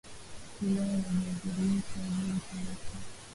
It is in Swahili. Pilau ya viazi lishe nzuri kwa familia